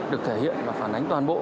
được thể hiện và phản ánh toàn bộ